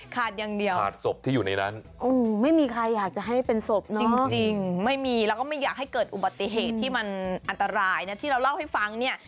อย่างเดียวขาดศพที่อยู่ในนั้นไม่มีใครอยากจะให้เป็นศพจริงไม่มีแล้วก็ไม่อยากให้เกิดอุบัติเหตุที่มันอันตรายนะที่เราเล่าให้ฟังเนี่ย